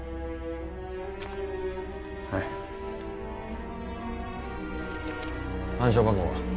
はい暗証番号は？